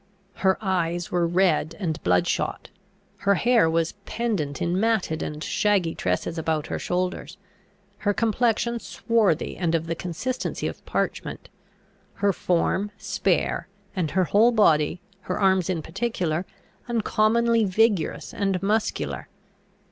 Her eyes were red and blood shot; her hair was pendent in matted and shaggy tresses about her shoulders; her complexion swarthy, and of the consistency of parchment; her form spare, and her whole body, her arms in particular, uncommonly vigorous and muscular.